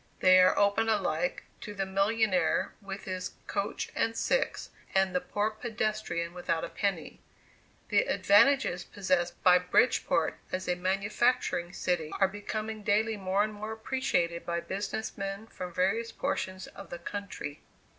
They are open alike to the millionnaire with his coach and six, and the poor pedestrian without a penny. The advantages possessed by Bridgeport as a manufacturing city are becoming daily more and more appreciated by business men from various portions of the country.